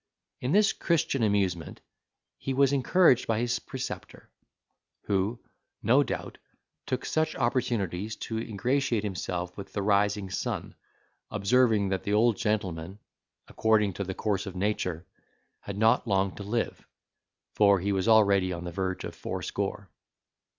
In this Christian amusement he was encouraged by his preceptor, who, no doubt, took such opportunities to ingratiate himself with the rising sun, observing, that the old gentleman, according to the course of nature, had not long to live, for he was already on the verge of fourscore.